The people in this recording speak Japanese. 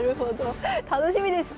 楽しみですね。